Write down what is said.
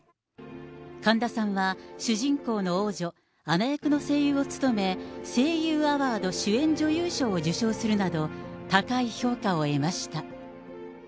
神田さんは、主人公の王女、アナ役の声優を務め、声優アワード主演女優賞を受賞するなど、高い評価を得ました。